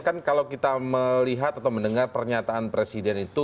kan kalau kita melihat atau mendengar pernyataan presiden itu